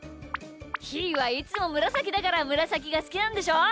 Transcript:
ひーはいつもむらさきだからむらさきがすきなんでしょう？